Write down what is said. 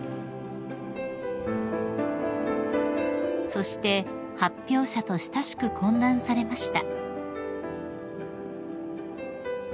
［そして発表者と親しく懇談されました］